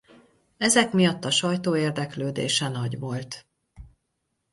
Ezek miatt a sajtó érdeklődése nagy volt.